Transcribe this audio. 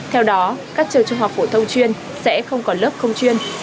theo đó các trường trung học phổ thông chuyên sẽ không có lớp không chuyên